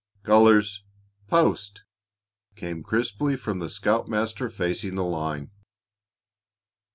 "Colors post!" came crisply from the scoutmaster facing the line.